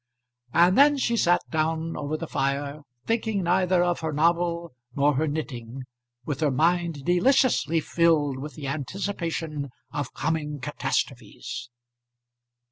And then she sat down over the fire, thinking neither of her novel nor her knitting, with her mind deliciously filled with the anticipation of coming catastrophes.